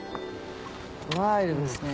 ワイルドですね。